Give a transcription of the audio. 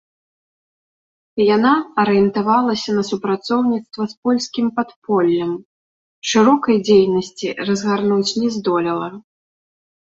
Яна арыентавалася на супрацоўніцтва з польскім падполлем, шырокай дзейнасці разгарнуць не здолела.